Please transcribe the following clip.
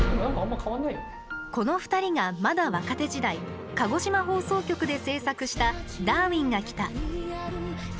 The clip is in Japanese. この２人がまだ若手時代鹿児島放送局で制作した「ダーウィンが来た！」。